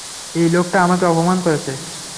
এই লোকটা আমাকে অপমান করেছে!